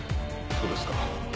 そうですか。